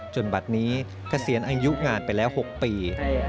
จนบัดนี้กระเสียนอายุงานไปแล้ว๖ปี